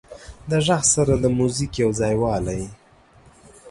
د غږ سره د موزیک یو ځایوالی